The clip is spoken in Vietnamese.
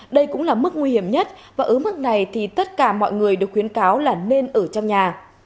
đây cũng là mức nguy hiểm nhất và ở mức này thì tất cả mọi người được khuyến cáo là nên ở trong nhà